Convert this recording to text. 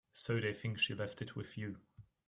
So they think she left it with you.